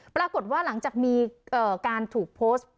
ปรากฏว่าหลังจากมีการถูกโพสต์